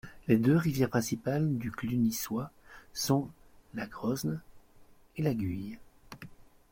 Les deux rivières principales du Clunisois sont la Grosne et la Guye.